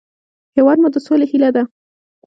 هېواد مو د سولې هیله ده